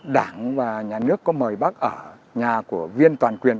đảng và nhà nước có mời bác ở nhà của viên toàn quyền